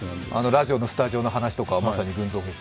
ラジオのスタジオの話とかまさに。